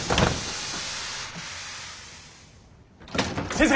先生！